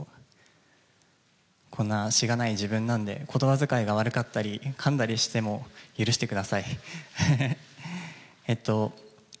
こんなしがない自分なんで、ことばづかいが悪かったり、かんだりしても、許してください。